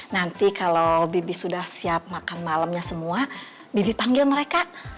nanti kalau bibi sudah siap makan malamnya semua bibi panggil mereka